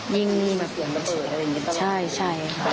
ยิงแบบใช่ค่ะ